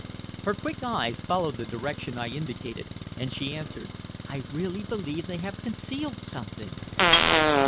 Her quick eyes followed the direction I indicated, and she answered: "I really believe they have concealed something!"